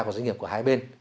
của doanh nghiệp của hai bên